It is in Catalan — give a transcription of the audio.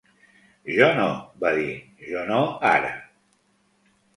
"Jo no", va dir, "jo no ara".